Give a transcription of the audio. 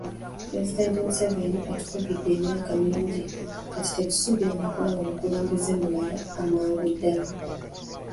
Pulezidenti Museveni atufugidde emyaka mingi kati tetusuubira na kulaba mukulembeze mulala amangu ddala.